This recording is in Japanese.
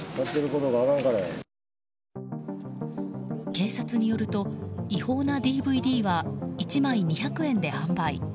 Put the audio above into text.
警察によると違法なＤＶＤは１枚２００円で販売。